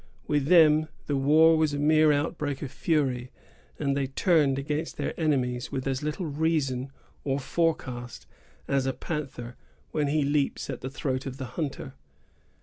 With them, the war was a mere outbreak of fury, and they turned against their enemies with as little reason or forecast as a panther when he leaps at the throat of the hunter.